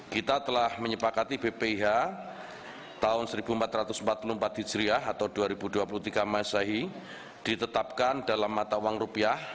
kita telah menyepakati bpih tahun seribu empat ratus empat puluh empat hijriah atau dua ribu dua puluh tiga masahi ditetapkan dalam mata uang rupiah